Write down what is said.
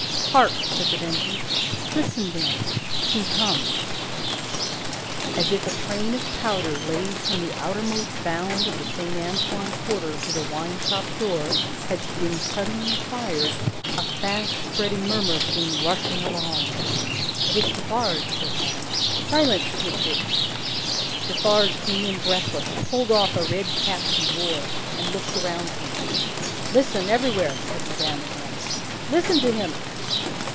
"Hark!" said The Vengeance. "Listen, then! Who comes?" As if a train of powder laid from the outermost bound of Saint Antoine Quarter to the wine shop door, had been suddenly fired, a fast spreading murmur came rushing along. "It is Defarge," said madame. "Silence, patriots!" Defarge came in breathless, pulled off a red cap he wore, and looked around him! "Listen, everywhere!" said madame again. "Listen to him!"